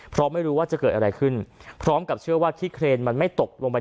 เพราะไม่รู้ว่าจะเกิดอะไรขึ้นพร้อมกับเชื่อว่าขี้เครนมันไม่ตกลงไป